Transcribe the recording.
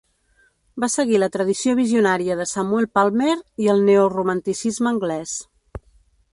Va seguir la tradició visionària de Samuel Palmer i el neoromanticisme anglès.